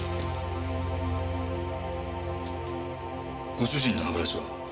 ご主人の歯ブラシは？